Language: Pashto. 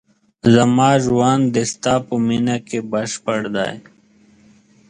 زما ژوند د ستا په مینه کې بشپړ دی.